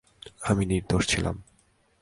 আমি নির্দোষ ছিলাম।